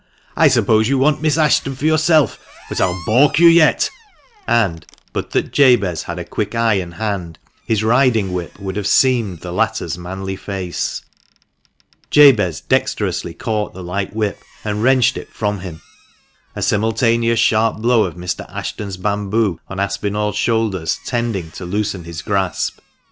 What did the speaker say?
I suppose you want Miss Ashton for yourself, but I'll baulk you yet !" and, but that Jabez had a quick eye and hand, his riding whip would have seamed the latter's manly face. Jabez dexterously caught the light whip, and wrenched it from him, a simultaneous sharp blow of Mr. Ashton's bamboo on Aspinall's shoulders tending to loosen his grasp.